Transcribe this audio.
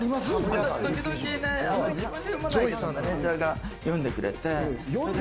私時々、自分で読まないけどマネジャーが読んでくれて。